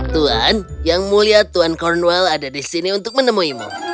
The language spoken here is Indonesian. tuhan yang mulia tuan cornwell ada di sini untuk menemuimu